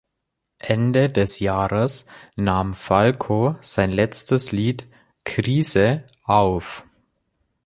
Ende des Jahres nahm Falco sein letztes Lied "Krise" auf.